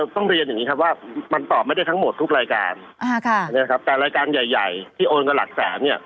ต้องเรียนอย่างนี้ครับว่ามันตอบไม่ได้ทั้งหมดทุกรายการแต่รายการใหญ่ที่โอนกันหลักแสนเนี่ย